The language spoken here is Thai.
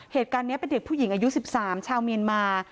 เหตุการณ์นี้เป็นเด็กผู้หญิงอายุ๑๓ชาวเมียนมา